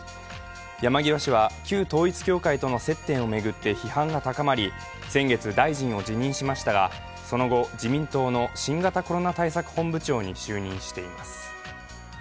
山際氏は旧統一教会との接点を巡って批判が高まり先月、大臣を辞任しましたが、その後、自民党の新型コロナ対策本部長に就任しています。